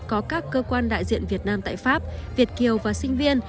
có các cơ quan đại diện việt nam tại pháp việt kiều và sinh viên